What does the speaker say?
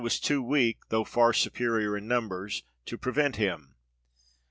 was too weak, though far superior in numbers, to prevent him.